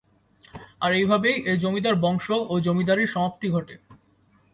আর এইভাবেই এই জমিদার বংশ ও জমিদারীর সমাপ্তি ঘটে।।